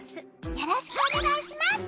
よろしくお願いします。